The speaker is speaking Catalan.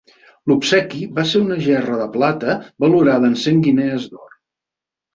L'obsequi va ser una gerra de plata valorada en cent guinees d'or.